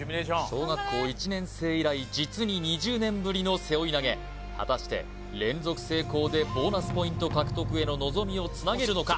小学校１年生以来実に２０年ぶりの背負い投げ果たして連続成功でボーナスポイント獲得への望みをつなげるのか？